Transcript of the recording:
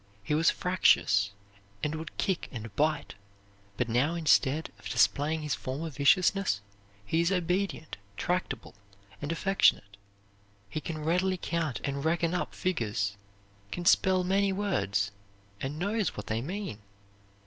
He was fractious, and would kick and bite, but now instead of displaying his former viciousness, he is obedient, tractable, and affectionate. He can readily count and reckon up figures, can spell many words, and knows what they mean.